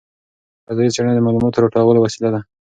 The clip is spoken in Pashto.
فضايي څېړنه د معلوماتو راټولولو وسیله ده.